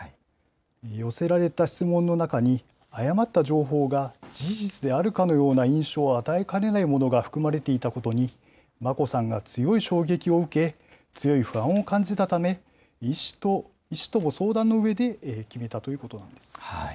寄せられた質問の中に、誤った情報が事実であるかのような印象を与えかねないものが含まれていたことに、眞子さんが強い衝撃を受け、強い不安を感じたため、医師と相談のうえで決めたということです。